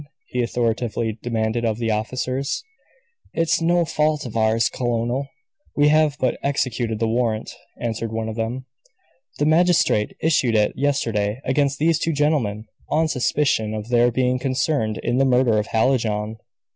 he authoritatively demanded of the officers. "It's no fault of ours, colonel, we have but executed the warrant," answered one of them. "The magistrate, issued it yesterday against these two gentlemen, on suspicion of their being concerned in the murder of Hallijohn."